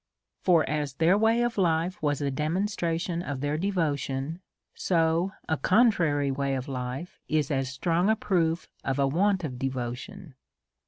For as their way of life was a demonstration of their devotion, so a contrary way of life is as strong a proof of a want of devotion.